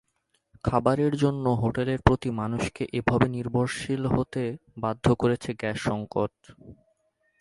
খাবারের জন্য হোটেলের প্রতি মানুষকে এভাবে নির্ভরশীল হতে বাধ্য করেছে গ্যাস-সংকট।